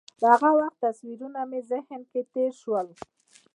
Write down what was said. د هغه وخت تصویرونه مې ذهن کې تېر شول.